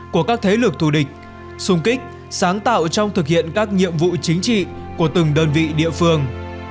của các thế lực thù địch sung kích sáng tạo trong thực hiện các nhiệm vụ chính trị của từng đơn vị địa phương